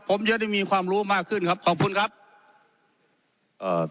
ผมจะได้มีความรู้มากขึ้นครับขอบคุณครับเอ่อ